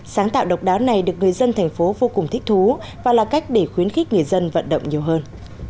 sáng tạo độc đáo này được người dân thành phố vô cùng thích thú và là cách để khuyến khích người dân vận động nhiều hơn